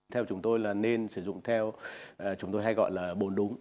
theo chúng tôi là nên sử dụng theo chúng tôi hay gọi là bốn đúng